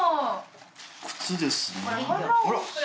靴ですね。